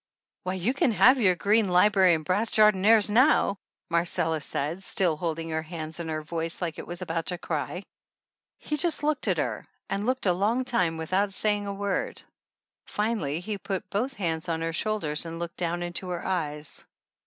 "Why, you can have your green library and brass jardinieres now," Marcella said, still hold ing hands and her voice like it was about to cry. He just looked at her and looked a long time without saying a word. Finally he put both hands on her shoulders and looked down into her eyes.